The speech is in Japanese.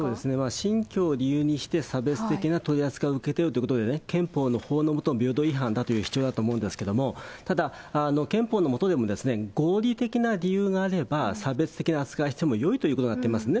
信教を理由にして、差別的な取り扱いを受けてるということで、憲法の法の下の平等違反だという主張だと思うんですけど、ただ、憲法の下でも、合理的な理由があれば、差別的な扱いをしてもよいということになっていますね。